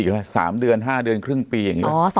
อีกแล้ว๓เดือน๕เดือนครึ่งปีอย่างนี้